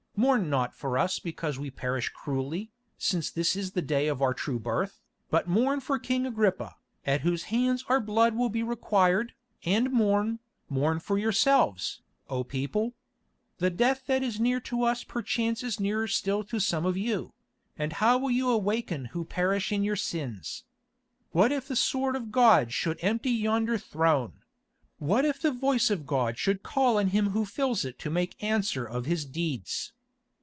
Mourn not for us because we perish cruelly, since this is the day of our true birth, but mourn for King Agrippa, at whose hands our blood will be required, and mourn, mourn for yourselves, O people. The death that is near to us perchance is nearer still to some of you; and how will you awaken who perish in your sins? What if the sword of God should empty yonder throne? What if the voice of God should call on him who fills it to make answer of his deeds?